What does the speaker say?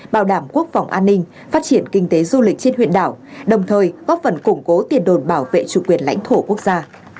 bảo đảm quốc phòng an ninh phát triển kinh tế du lịch trên huyện đảo đồng thời góp phần củng cố tiền đồn bảo vệ chủ quyền lãnh thổ quốc gia